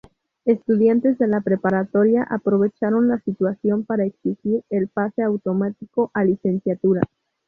Estudiantes de la preparatoria aprovecharon la situación para exigir el pase automático a licenciatura.